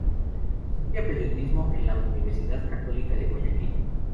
Estudia periodismo en la Universidad Católica de Guayaquil.